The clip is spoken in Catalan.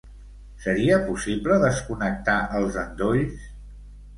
Seria possible desconnectar els endolls?